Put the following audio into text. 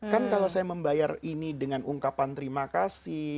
kan kalau saya membayar ini dengan ungkapan terima kasih